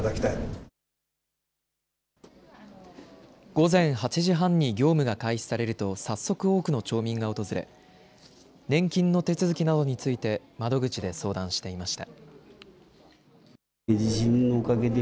午前８時半に業務が開始されると早速多くの町民が訪れ年金の手続きなどについて窓口で相談していました。